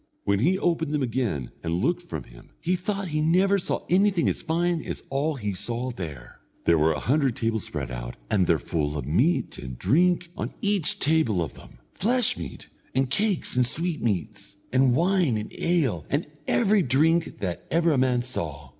When he opened them again and looked from him he thought he never saw anything as fine as all he saw there. There were a hundred tables spread out, and their full of meat and drink on each table of them, flesh meat, and cakes and sweetmeats, and wine and ale, and every drink that ever a man saw.